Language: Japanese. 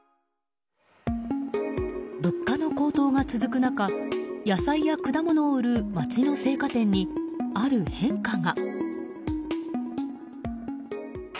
物価の高騰が続く中野菜や果物を売る街の青果店にある変化が。